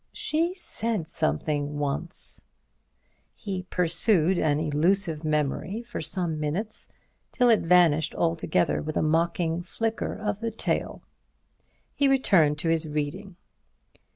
She said something once—" He pursued an elusive memory for some minutes, till it vanished altogether with a mocking flicker of the tail. He returned to his reading.